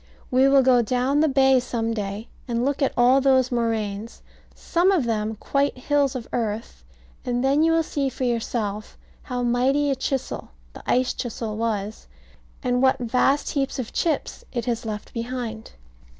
We will go down the bay some day and look at those moraines, some of them quite hills of earth, and then you will see for yourself how mighty a chisel the ice chisel was, and what vast heaps of chips it has left behind.